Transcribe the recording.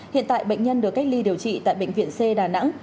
hiện tại bệnh nhân được cách ly điều trị tại bệnh viện c đà nẵng